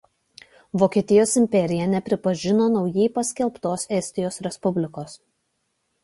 Vokietijos imperija nepripažino naujai paskelbtos Estijos Respublikos.